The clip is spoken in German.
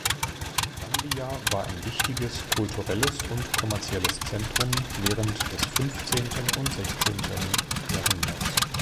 Gandia war ein wichtiges kulturelles und kommerzielles Zentrum während des fünfzehnten und sechzehnten Jahrhunderts.